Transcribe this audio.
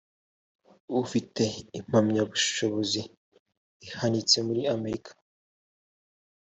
afite impamyabushobozi ihanitse muri amerika